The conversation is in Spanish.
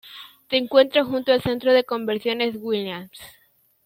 Se encuentra junto al Centro de convenciones Williams.